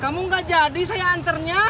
kamu gak jadi saya anternya